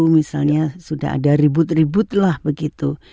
seribu sembilan ratus sembilan puluh satu misalnya sudah ada ribut ribut lah begitu